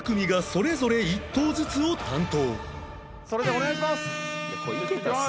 それではお願いします。